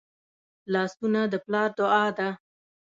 لاسونه د پلار دعا ده